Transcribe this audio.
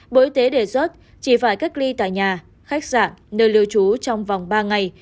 bộ y tế đề xuất chỉ phải cách ly tại nhà khách sạn nơi lưu trú trong vòng ba ngày